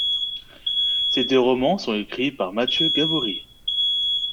Ces deux romans sont écrits par Mathieu Gaborit.